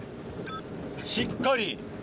しっかり。